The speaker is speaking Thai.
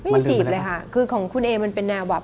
มาจีบเลยค่ะคือของคุณเอมันเป็นแนวแบบ